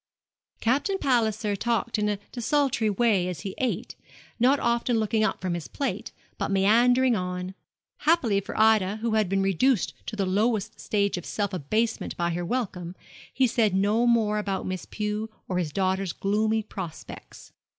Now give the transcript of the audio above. Captain Palliser talked in a desultory way as he ate, not often looking up from his plate, but meandering on. Happily for Ida, who had been reduced to the lowest stage of self abasement by her welcome, he said no more about Miss Pew or his daughter's gloomy prospects.